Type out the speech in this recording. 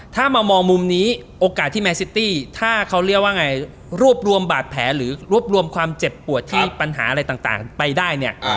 ถ้ามามองมุมนี้โอกาสที่แมนซิตี้ถ้าเขาเรียกว่าไงรวบรวมบาดแผลหรือรวบรวมความเจ็บปวดที่ปัญหาอะไรต่างไปได้เนี่ย